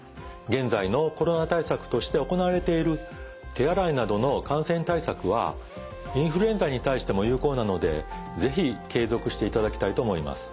現在のコロナ対策として行われている手洗いなどの感染対策はインフルエンザに対しても有効なので是非継続していただきたいと思います。